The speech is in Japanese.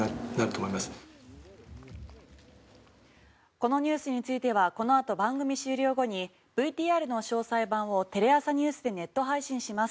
このニュースについてはこの後番組終了後にＶＴＲの詳細版をテレ朝ｎｅｗｓでネット配信します。